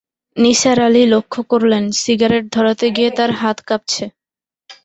নিসার আলি লক্ষ করলেন, সিগারেট ধরাতে গিয়ে তাঁর হাত কাঁপছে।